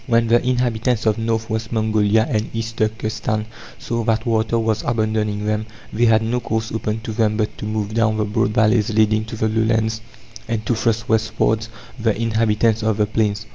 When the inhabitants of North West Mongolia and East Turkestan saw that water was abandoning them, they had no course open to them but to move down the broad valleys leading to the lowlands, and to thrust westwards the inhabitants of the plains.